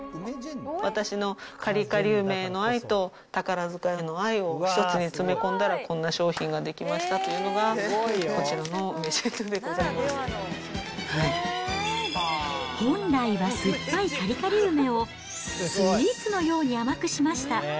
私のカリカリ梅の愛と、宝塚への愛を１つに詰め込んだら、こんな商品が出来ましたというのが、こちらの梅ジェンヌでござい本来は酸っぱいカリカリ梅を、スイーツのように甘くしました。